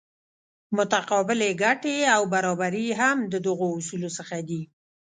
متقابلې ګټې او برابري هم د دغو اصولو څخه دي.